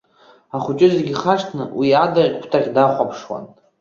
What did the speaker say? Ахәыҷы зегьы ихашҭны уи адаӷь кәтаӷь дахәаԥшуан.